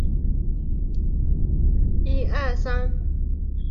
这些日记随着麦坎德斯多变的命运一起从狂喜的心情写到冷酷的现实。